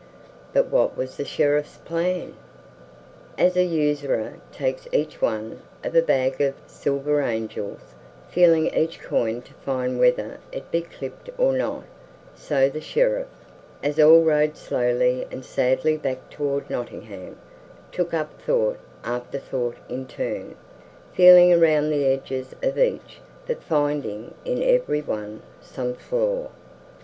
But what was the Sheriff's plan? As a usurer takes each one of a bag of silver angels, feeling each coin to find whether it be clipped or not, so the Sheriff, as all rode slowly and sadly back toward Nottingham, took up thought after thought in turn, feeling around the edges of each but finding in every one some flaw.